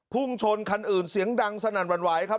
พุ่งชนคันอื่นเสียงดังสนั่นหวั่นไหวครับ